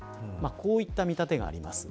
こういった見立てがあります。